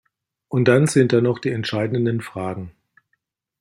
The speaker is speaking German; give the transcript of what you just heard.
Und dann sind da noch die entscheidenden Fragen.